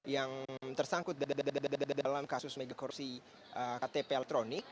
yang tersangkut dalam kasus megakorupsi ktp l tronic